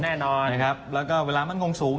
แน่นอนแล้วก็เวลามันมั่นคงสูง